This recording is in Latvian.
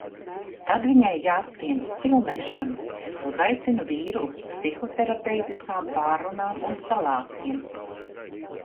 Tad viņai jāskrien uz filmēšanu. Uzaicinu vīru uz psihoterapeitiskām pārrunām un salātiem.